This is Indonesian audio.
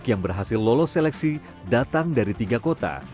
yang berhasil lolos seleksi datang dari tiga kota